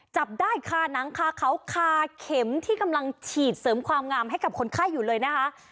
จับได้คาหนังคาเขาคาเข็มที่กำลังฉีดเสริมความงามให้กับคนไข้อยู่เลยนะคะ